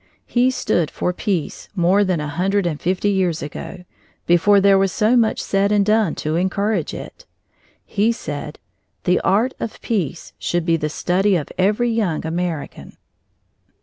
He stood for peace more than a hundred and fifty years ago, before there was so much said and done to encourage it. He said: "The art of Peace should be the study of every young American!"